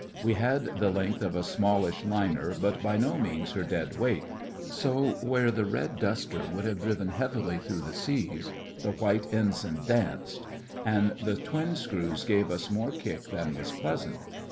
We had the length of a smallish liner, but by no means her dead weight, so where the Red Duster would have driven heavily through the seas the White Ensign danced; and the twin screws gave us more kick than was pleasant.